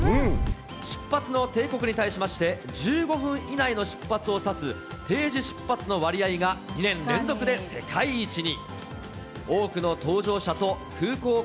出発の定刻に対しまして、１５分以内の出発を指す定時出発の割合が２年連続で世界一に。